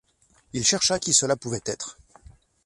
Il chercha qui cela pouvait être.